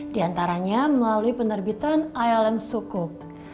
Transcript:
di antaranya melalui penerbitan island sukuk